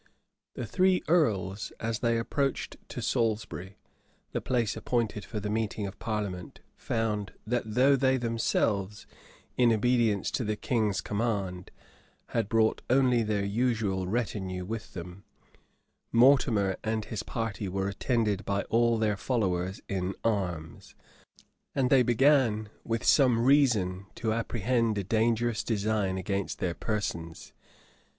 The three earls, as they approached to Salisbury, the place appointed for the meeting of parliament, found, that though they themselves, in obedience to the king's command, had brought only their usual retinue with them, Mortimer and his party were attended by all their followers in arms; and they began with some reason to apprehend a dangerous design against their persons.